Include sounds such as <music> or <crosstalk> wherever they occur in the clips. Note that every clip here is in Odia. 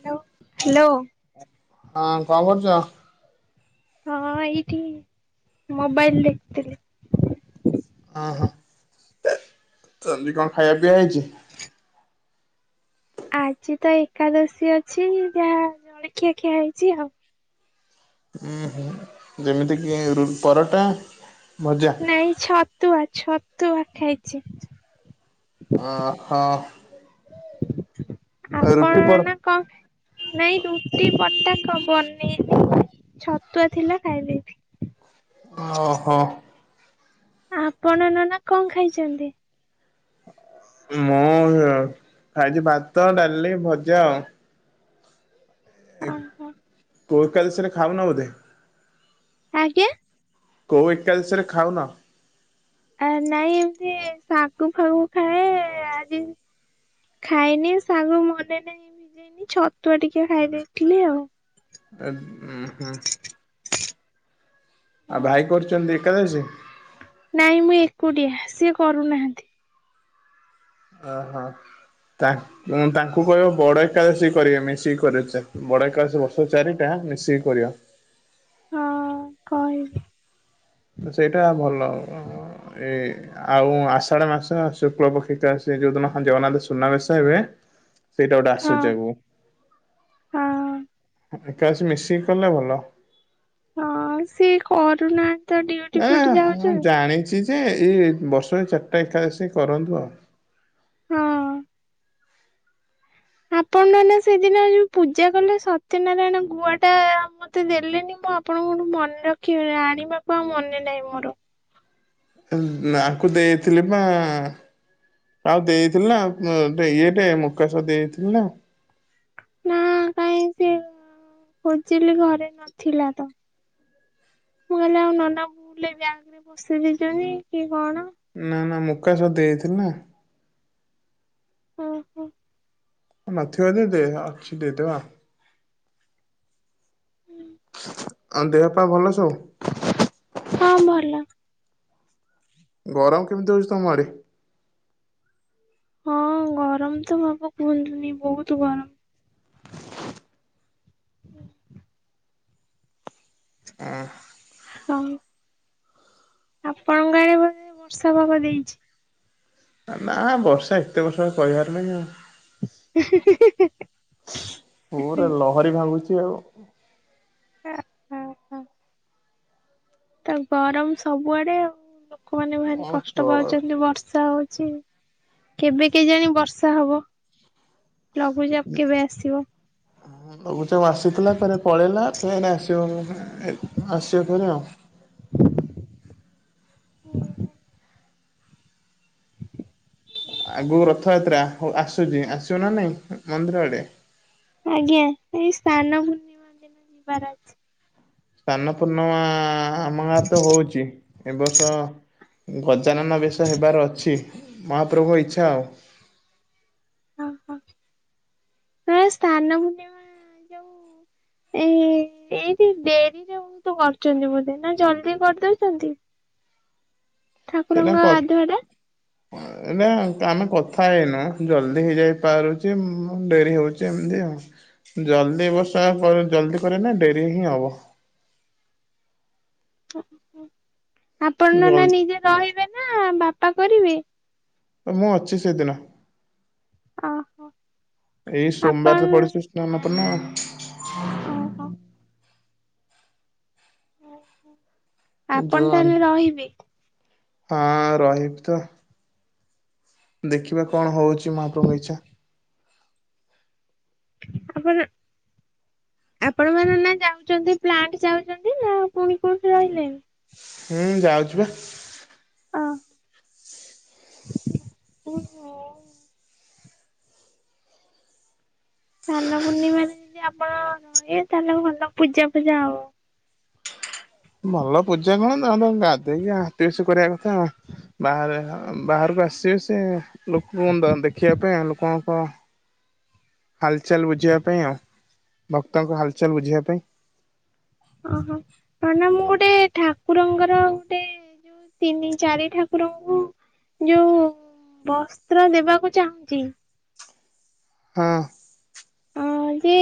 Hello hello. ହଁ କଣ କରୁଛ? ହଁ ଏଇଠି ମୋବାଇଲ୍ ଦେଖିଥିଲି। ଅହୋ କାଲି କଣ ଖାଇବା ପିଇବା ହେଇଛି। ଆଜି ତ ଏକାଦଶୀ ଅଛି, ଯାହା ଜଳଖିଆ ଖିଆ ହେଇଛି ଆଉ ହୁଁ ହୁଁ ଯେମିତିକି ପରଟା ଭଜା ନାଇଁ ଛତୁଆ ଛତୁଆ ଖାଇଛି। ଓଁ ହଁ। ଆପଣ ନା କ ନାଇଁ ରୁଟି ବଟା କ ପନିର ଛତୁଆ ଥିଲା ଖାଇଲେ ଓହୋ। ଆପଣ ନନା କଣ ଖାଇଚନ୍ତି? ମୁଁ ଖାଇଚି ଭାତ ଡାଲି ଭଜା ଆଉ। ଓ ହୋ। କୋଉ ଏକାଦଶୀ ରେ ଖାଉନ ବୋଧେ। ଆଜ୍ଞା। କୋଉ ଏକାଦଶୀ ରେ ଖାଉନ? ଆ ନାଇଁ ଏମିତି ଶାଗୁ ଫାଗୁ ଖାଏ। ଆଜି ଖାଇନି। ଶାଗୁ ମନେ ନାହିଁ ଭିଜେଇନି ଛତୁଆ ଟିକେ ଖାଇ ଦେଇଥିଲି ଆଉ। ଆ ଉଁ ହୁଁ। ଅଆ ଆଉ। ଭାଇ କରୁଚନ୍ତି ଏକାଦଶୀ? କୁଟିଆ। ସିଏ କରୁନାହାନ୍ତି। ଅ ହ। ତାଙ୍କ୍ ଉଁ ତାଙ୍କୁ କହିବ ବଡ ଏକାଦଶୀ କରିବେ ମିଶିକି କରିବେ ଚାର୍ ବଡ ଏକାଦଶୀ ବର୍ଷରେ ଚାରିଟା। ମିଶିକି କରିବା। ହଁ କହିବି। ସେଇଟା ଭଲ ଆ ଏଇ ଆଉ ଆଷାଢ ମାସ ଶୁକ୍ଳପକ୍ଷ ଏକାଅଶୀ। ସେ ଯୋଉଦିନ <unintelligible> ନହେଲେ ସୁନାବେଶ ହେବେ ସେଇଟା ଗୋଟେ ହଁ ଆସୁଚି ଆଗୁକୁ। ହଁ ଏକାଦଶୀ ମିଶିକି କଲେ ଭଲ। ହଁ ସିଏ କରୁନାହାଁ ନା ଏଁ ହଁ ଜାଣିଛି ଯେ ଯେ ଏଇ ବର୍ଷରେ ଚାରିଟା ଏକାଦଶୀ କରନ୍ତୁ ଆଉ। ହଁ। ଆପଣ ନନା ସେଦିନ ଯୋଉ ପୂଜା କଲେ ସତ୍ୟ ନାରାୟଣ ଗୁଆ ଟା ମତେ ଦେଲେନି। ମୁଁ ଆପଣଙ୍କଠୁ ମନେ ରଖିବି ବିଲି ଆଣିବାକୁ ଆଉ ମନେ ନାହିଁ ମୋର। ଆଙ୍କୁ ଦେଇଥିଲି ବା। ଆଉ ଦେଇଥିଲି ନା ଆଉ ଇଏଟ ମୁକାସ ଦେଇଥିଲି ନା। ନା କାଇଁକି ସିଏ ଖୋଜିଲି ଘରେ ନଥିଲା ତ। ମୁଁ କହିଲି ଆଉ ନନା ଭୁଲରେ ବ୍ୟାଙ୍କରେ ପଶେଇ ଦେଇଛନ୍ତି କି କଣ? କାଶ ଦେଇଥିଲ ନା। ହ ହୋ। <unintelligible> ବୋଲି ଦେ ଅଛି ଦେଇଦେବା। ଆଉ ଦେହ ପା ଭଲ ସବୁ? ହଁ ମରଲା। ଗରମ କେମିତି ହଉଚି ତମ ଆଡେ? ହଁ ଗରମ ତ ସବୁ କୁହନ୍ତୁନି ବହୁତ ଗରମ। ହଁ ଆପଣଙ୍କ ଗାଁରେ ବୋଧେ ବର୍ଷା ପାଗ ଦେଇଛି। ନା ବର୍ଷା ଏତେ ବର୍ଷା କହିବାର ନାହିଁ ଆଉ। ହିଁ ହିଁ ହିଁ ହିଁ ହିଁ ହିଁ । ପୁରା ଲହରୀ ଭାଙ୍ଗୁଛି ଆଉ। ତା ଗରମ ସବୁଆଡେ ଆଉ ଲୋକମାନେ ଭାରି କଷ୍ଟ କ ପାଉଚନ୍ତି ବର୍ଷା ହଉ। ହିଁ କେବେ କେଜାଣି ବର୍ଷା ହବ। ଲଘୁଚାପ କେବେ ଆସିବ? ଲଘୁଚାପ ଆସିଥିଲା ପରେ ପଳେଇଲା ପୁ ଏଇନେ ଆସିବ ଆସିବ ଫେରେ ଆଉ। ଆଗକୁ ରଥଯାତ୍ରା ହଉ ଆସୁଚି ଆସିବ ନା ନାଇଁ ମନ୍ଦିର ଆଡେ? ଆଜ୍ଞା । ଏଇ ସ୍ଥାନ ମୁନି <unintelligible> ଯିବାର ଅଛି। ସ୍ତାନ ପୂର୍ଣ୍ଣମା ଆ ଆ ଆମ ଗାଁରେ ତ ହଉଚି। ଏ ବର୍ଷ ଗଜାନନ ବେଶ ହେବାର ଅଛି ମହାପ୍ରଭୁ ଇଚ୍ଛା ଆଉ। ଓହୋ ସ୍ଥାନ ଭୂମିବା ଯଉ <inaudible> ଏ ଏଇଠି ଡେରିରେ ବ ତ କରୁଛନ୍ତି ବୋଧେ ନା ଜଲଦି କରିଦଉଛନ୍ତି। <inaudible> ଠାକୁରଙ୍କ ଗଧଆଟା। ହଁ। ଏ ଆମେ କଥା ହେଇନୁ ଜଲ୍ଦି ହେଇଯାଇପାରୁଛି ଡେରି ହେଉଛି ଏମିତି ଆଉ। ଜଲଦି ବଷା ପରେ ଜଲଦି କ ନା ଡେରି ହିଁ ହବ। ଆପଣ ନା ଜଲ୍ ନିଜେ ରହିବେ ନା ବାପା କରିବେ। ମୁଁ ଅଛି ସେଦିନ। ଓହୋ ଏଇ ସୋମବାର ଆପଣ ତ ପଡିଛି ସ୍ନାନ ପୂର୍ଣ୍ଣିମା। ଓହୋ। ଯୋଉ ଆପଣ ତାହେଲେ ରହିବେ। ହଁ ରହିବି ତ ଦେଖିବା କଣ ହଉଛି ମହାପ୍ରଭଙ୍କ ଇଚ୍ଛା। ଆପ ଆପଣ ମାନ ନା ଯାଉଛନ୍ତି ପ୍ଲାଣ୍ଟ ଯାଉଛନ୍ତି ନା କୁଣି କଉଠି ରହିଲେ। ହୁଁ ଯାଉଛି ବା। ଅ ସ୍ନାନ ପୂର୍ଣ୍ଣିମାରେ ଯଦି ଆପଣ ରେ ତାହେଲେ ଭଲ ପୂଜା ପୂଜା ହବ। ଭଲ ପୂଜା କଣ ତ ତ ଗାଧେଇକି ହାତସ କରିବା କଥା। ବାହାରେ ବାହାରକୁ ଆସିବେ ସେ ଲୋକ କୁହନ୍ତ ଦେଖିବା ପାଇଁ ଲୋକଙ୍କ ହାଲଚାଲ ବୁଝିବା ପାଇଁ ଆଉ ଭକ୍ତଙ୍କୁ ହାଲଚାଲ ବୁଝିବା ପାଇଁ। ଓହୋ ପ୍ରଣାମ ଗୋଟେ ଠାକୁରଙ୍କର ଗୋଟେ ତିନି ଚାରି ଠାକୁରଙ୍କୁ ଯୋଉ ବସ୍ତ୍ର ଦେବାକୁ ଚାହୁଁଛି। ହଁ। ଅ ଯେ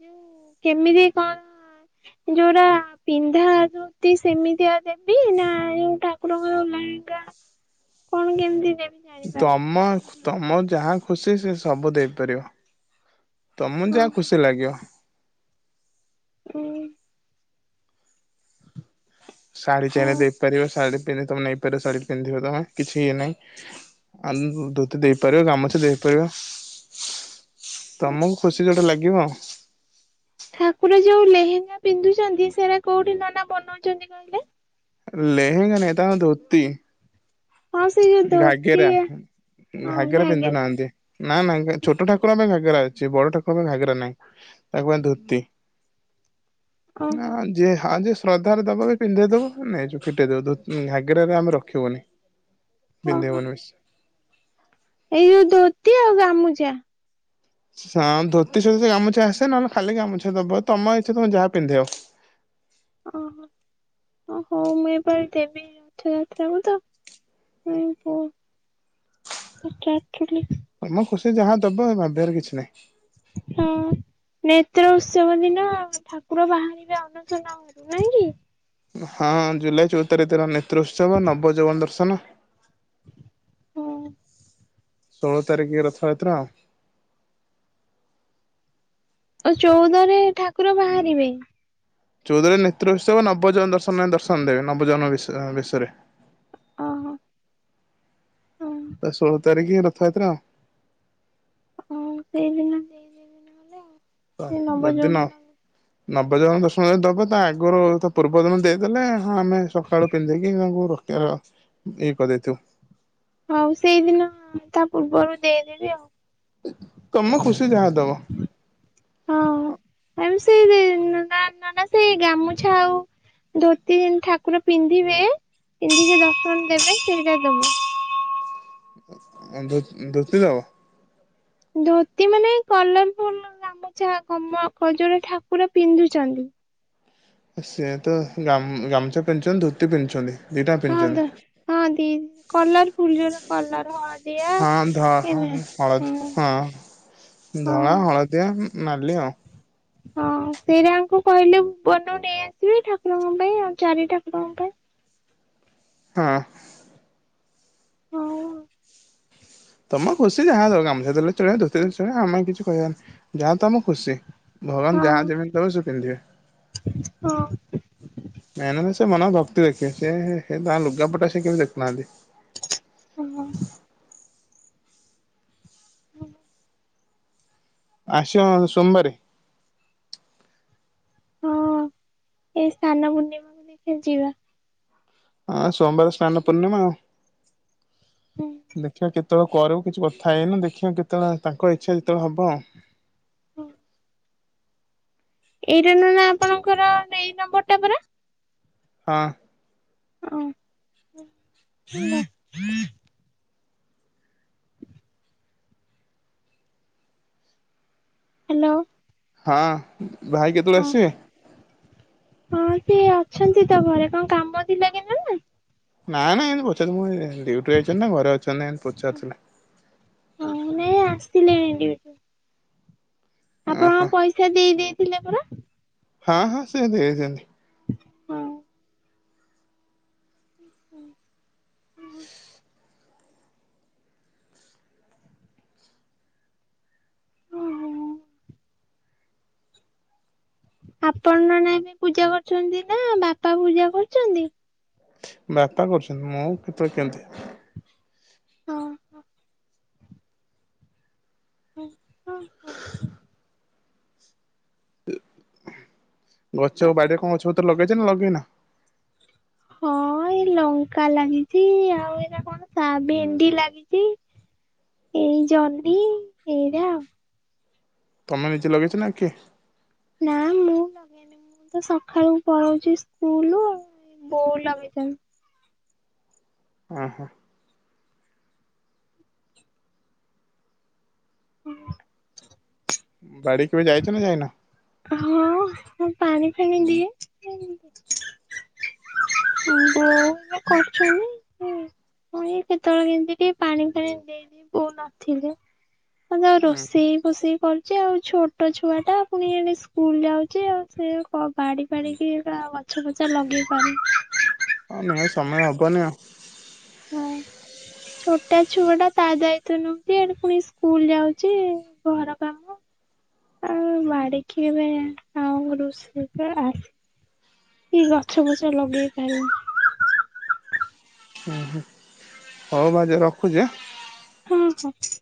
ଯୋଉ କେମିତି କଣ ଯୋଉଟା ପିନ୍ଧା ଆସ ସେମିତିଆ ଦେବି ନା ଯୋଉ ଠାକୁରଙ୍କ ଯ କଣ କେମିତି ଦେ ତମ ତମ ଯାହା ଖୁସି ସେ ସବୁ ଦେଇପାରିବ। ତମକୁ ଯାହା ଖୁସି ହଁ ଲାଗିବ। <unintelligible> ଶାଢୀ ଚନା ଉଁ ଦେଇପାରିବ ଶାଢୀ ପଧ ତମେ ନେଇପାର ଶାଢୀ ପିନ୍ଧିବ ତମେ କିଛି ଇଏ ନାଇଁ ଆ ଧ ଦେଇ ପାରିବ କାମ ଅଛ ଦେଖିପାରିବ ତମକୁ ଖୁସି ଯୋଉଟା ଲାଗିବ ଆଉ। ଠାକୁର ଯୋଉ ଲେହେଙ୍ଗା ପିନ୍ଧୁଛନ୍ତି ସେଟା କୋଉଠି ନାନ ବନାଉଛନ୍ତି କହିଲେ। ଲେହେଙ୍ଗା ନାହିଂ ତାକଂର ଧୋତି। ହଁ ସେ ଯୋଉ ଧୋତି ଘାଘେରା ହଁ ଘାଘେରା ପିନ୍ଧୁ ଘାଗେରା ନାହାନ୍ତି। ନା ନାଇଂ ଛୋଟ ଠାକୁରଙ୍କ ପାଇଁ ଘାଗେରା ଅଛି ବଡ ଠାକୁରଙ୍କ ପାଇଁ ଘାଗେରା ନହିଁ ତାକୁ ପାଇଁ ଧୋତି। ନାଁ ଓହୋ ଯେ ହଁ ଯେ ଶ୍ରଦ୍ଧାରେ ଦବ କି ପିନ୍ଧେଇ ଦବୁ ନେଇଁ ଫିଟେଦ ଉ ଘାଗେରା ଆମେ ରଖିବୁନି। ଓହୋ ପିନ୍ଧାଇବୁନି। ଏଇ ଯୋଉ ଧୋତି ଆଉ ଗାମୁଛା। ହ ଧୋତି ସଇତ ଗାମୁଛା ଆସେ ନହେଲେ ଖାଲି ଗାମୁଛା ଦବ ତମ ଇଛା ତମେ ଯାହା ପିନ୍ଧେଇବ । <inaudible> ଓହୋ ଓ ହଉ ମୁଁ ଏବୋର ଦେବି ରଥଯାତ୍ରାକୁ ତ ଏଁ ବ ଲ <unintelligible> ତମ ଖୁସି ଯାହା ଦବ ଭାବିବାରେ କିଛି ନାହିଁ। ହଁ। ନେତ୍ର ଉତ୍ସବ ଦିନ ଠାକୁର ବାହାରିବେ ଅନସନରୁ ନାଇଁ କି। ହଁ ଜୁଲାଇ ଚଉ ତାରିଖର ନେତ୍ରୋତ୍ସବ ନବ ଜବନ ଦର୍ଶନ। ହଁ। ଷୋଳ ତାରିଖ ରଥଯାତ୍ରା। ଆ ଚଉଦରେ ଠାକୁର ବାହାରିବେ। ଚଉଦରେ ନେତ୍ର ଉତ୍ସ୍ବ ନବଜ ଦର୍ଶନ ଦର୍ଶନ ଦେବେ ନବଜନ୍ମ ବେଶରେ। ଓ ହୋ ହ। ଷୋଳ ତାରିଖ ରଥଯାତ୍ରା। ହଁ ସେଇଦିନ ଦେଇଦବି ନହଲେ ଆଉ। ହ ସେ ନବ ଯଦିି ନ ଯୌବନ ନବେ ଜଣ ଦର୍ଶମ ଯ ଦବା ତା ଆଗରୁ ତ ପୂର୍ବ ଦିନ ଦେଇଦେଲେ ହ ଆମେ ସକାଳୁ ପିନ୍ଧିକି ତାଙ୍କୁ ରଖ ଇଏ କରିଦେଇଥିବୁ। ହଉ ସେଇଦିନ ତା ପୂର୍ବରୁ ଦେଇଦେବି ଆଉ। ତମ ଖୁସି ଯାହା ଦବ। ହଁ। ମ୍ୟାମ୍ ସେଇ <inaudible> ନା ନା ସେଇ ଗାମୁଛା ଆଉ ଧୋତି ଠାକୁର ପିନ୍ଧିବେ ପିନ୍ଧିକି ଦର୍ଶନ ଦେବେ ସେଇଟା ଦବୁ। ଉଂ ଧୋତ୍ ଧୋତି ଦବ? ଧୋତି ମାନେ ଏଇ କଲର୍ ଫଲର୍ ଗା ଗାମୁଛା କମଜଳ ଠାକୁର ପିନ୍ଧୁଛନ୍ତି। ସିଏ ତ ଗାମୁ ଗାମୁଛା ପିନ୍ଧୁଛନ୍ତି ଧୋତି ପିନ୍ଧୁଛନ୍ତି। ଦିଟା ହଁ ପିନ୍ଧୁଛନ୍ତି ଦ ହଁ ଦିଦ୍ କଲର ଫୁଲ ଜୋର କଲର ହ ହଁ ଧ ହଳଦ ହଁ ହଁ ଧରା ହଳଦିଆ ନାଲି ଆଉ ହଁ ସେଇଟାଙ୍କୁ କହିଲେ ବନୁ ନେଇଆସିବେ ଠାକୁରଙ୍କ ପାଇଁ ଆଉ ଚାରି ଠାକୁରଙ୍କ ପାଇଁ। ହଁ। ହଁ। ତମ ଖୁସି ଯାହା ଦବ ଗାମୁଚା ଦେଲେ ଚଲିବ ଧୋତି ଦେସେ ଚଲିବ ଆମେ କିଛି କହିବନି ଯାହା ତମ ଖୁସି। ଭଗବାନ ଆଉ ଯାହା ଯେମିତି ଦବ ସେ ପିନ୍ଧିବେ। ହଁ ମେନ୍ ହେଲା ସେ ମନରେ ଭକ୍ତି ଦେଖି ବେ ସେ ଲୁଗାପଟା ସେ ଦେଖୁନାହାନ୍ତି। ହଁ ହଁ। ଆସିଅ ସୋମବାରେ? ହଁ ଏଇ ସାନ ପୂର୍ଣ୍ଣିମାକୁ ଦେଖିବା ଯିବା। ହଁ ସୋମବାର ସ୍ନାନ ପୂର୍ଣ୍ଣିମା ଆ ହୁଁ ଦେଖିବା କେତେ କେତେବେଳେ କରିବ କିଛି କଥା ହେଇନ ଦେଖିବା କେତେବେଳେ ତାଙ୍କ ଇଚ୍ଛା ଯେତେବେଳେ ହବ ଆଉ। ହଁ। ଏଇଟା ନ ଆପଣଙ୍କର ଏଇ ନମ୍ବର ଟା ପରା। ହଁ। ଓ ହ୍ୟାଲୋ। ହଁ ଭାଇ କେତେବେଳେ ହଁ। ଆସିବେ? ହଁ ସେ ଅଛନ୍ତି ତ ଘରେ କଣ କାମ ଥିଲା କି ନନା। ନା ନା ଏ ପଛାରିଲି ମୁଁ ଡିଟି ଅଛନ୍ତି ନା ଘରେ ଅଛନ୍ତି ନା ଏ ପଚାରିଥିଲି। ହଁ ନାଇଁ ଆସିଲେଣି ଡିଉଟି ରୁ। ଆପଣ ଓହୋ। ପଇସା ଦେଇ ଦେଇଥିଲେ ପରା। ହଁ ହଁ ସେ ଦେଇଛନ୍ତି। ହଁ। ହୁଁ। ଆପଣ ନନା ହେଇକି ପୂଜା କରୁଚନ୍ତି ନା ବାପା ପୂଜା କରୁଚନ୍ତି? ବାପା କରୁଚନ୍ତି ମୁଁ କେତେବେଳେ କେମିତି। ହଁ ହ। ହ ହଁ ହଁ। ଗଛ ବାଡିରେ କଣ ଗଛ ପତ୍ର ଲଗେଇଛ ନା ଲଗେଇନ? ହଁ। ହଁ ଏଇ ଲଙ୍କା ଲାଗିଚି ଆଉ ଏଇଟା କଣ ସା ଭେଣ୍ଡି ଲାଗିଚି। ଏଇ ଜନହି ଏଇରା। ତମେ ନିଜେ ଲଗେଇଚ ନା ଆଉ କିଏ? ନା ମୁଁ ନ ମୁଁ ତ ସକାଳୁ ପଢଉଛି ସ୍କୁଲ ବୋଉ ଲଗେଇଚନ୍ତି। ହ ହୋ <inaudible> ବାଡିକୁ କେବେ ଯାଇଚ ନା ଯାଇନ? ହଁଁ ପାଣି ଫାଣି ଦିଏ। ବଉ କରୁଚନ୍ତି। ପୁଣି କେତେବେଳେ କେମତି ଟିକେ ପାଣି ଫାଣି ଦେଇଦିଏ ବୋଉ ନଥିଲେ। ମୁଁ ତ ରୋଷେଇ ଫୋଷେଇ କରୁଚି ଆଉ ଛୋଟ ଛୁଆ ଟା ପୁଣି ସ୍କୁଲ ଯାଉଚି ଆଉ ସେ ବାଡି ଫାଡିିକି ଏଟା ଗଛ ଫଛ ଲଗେଇ ପାରୁନି। ହଁ ନିହାତି ସମୟ ହବନି ଆଉ ହଁ। ଛୋଟିଆ ଛୁଆ ଟା ତା ଦାୟିତ୍ୱ ନଉଚି, ଏଠି ପୁଣି ସ୍କୁଲ ଯାଉଚି ଘର କାମ ଆଉ ବାଡ଼ିିକିବ ଆଉ ରୁଷେଇ ତ ଆସେ। କି ଗଛ ପଛ ଲଗେଇ ପାରିବ। ହଉ ଭାଉଜ ରଖୁଚି। ହଁ ହ।